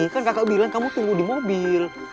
kan kakak bilang kamu tunggu di mobil